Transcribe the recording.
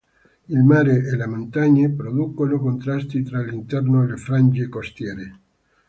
Il mare e le montagne producono contrasti tra l'interno e le frange costiere.